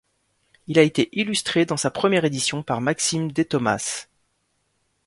Il a été illustré dans sa première édition par Maxime Dethomas.